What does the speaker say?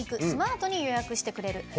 「スマートに予約してくれる」。